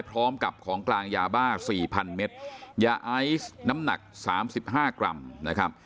พร้อมกับของกลางยาบ้า๔๐๐เมตรยาไอซ์น้ำหนัก๓๕กรัมนะครับ